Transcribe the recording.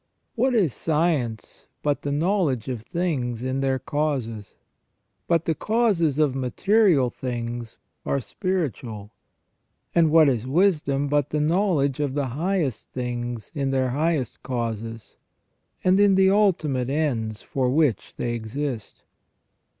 What is science but the knowledge of things in their causes? But the causes of material things are spiritual. And what is wisdom but the knowledge of the highest things in their highest causes, and in the ultimate ends for which they exist